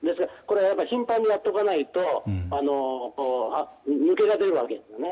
頻繁にやっておかないと抜けが出るわけですね。